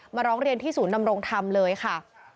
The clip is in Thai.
ร้องเรียนที่ศูนย์นำรงธรรมเลยค่ะ